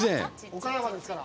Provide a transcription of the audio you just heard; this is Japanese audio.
岡山ですから。